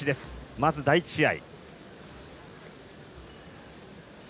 まず第１試合。